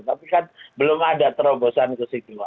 tapi kan belum ada terobosan ke situ